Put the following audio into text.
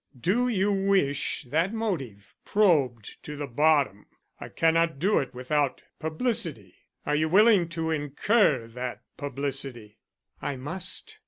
Do you wish that motive probed to the bottom? I cannot do it without publicity. Are you willing to incur that publicity?" "I must."